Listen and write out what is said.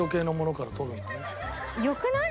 よくない？